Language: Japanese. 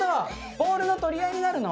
ボールの取り合いになるの？